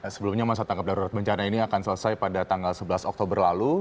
sebelumnya masa tanggap darurat bencana ini akan selesai pada tanggal sebelas oktober lalu